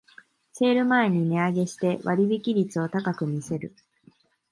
セール前に値上げして割引率を高く見せる